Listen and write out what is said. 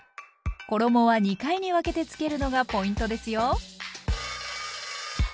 衣は２回に分けてつけるのがポイントですよ！